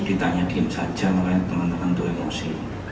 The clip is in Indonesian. ditanya game saja makanya teman teman tuh emosi